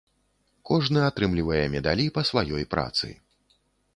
Кожны атрымлівае медалі па сваёй працы.